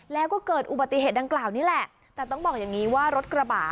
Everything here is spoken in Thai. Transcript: แล้วก็เกิดอุบัติเหตุดังกล่าวนี่แหละแต่ต้องบอกอย่างนี้ว่ารถกระบะ